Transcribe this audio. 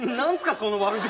その悪口。